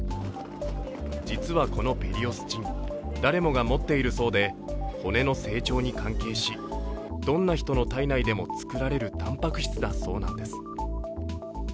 実はこのペリオスチン、誰もが持っているそうで、骨の成長に関係し、どんな人の体内でも作られるたんぱく質だそうなんです。